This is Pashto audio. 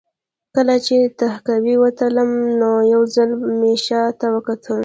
کله چې له تهکوي وتلم نو یو ځل مې شا ته وکتل